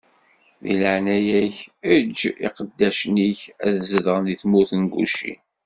Di leɛnaya-k, eǧǧ iqeddacen-ik ad zedɣen di tmurt n Gucin.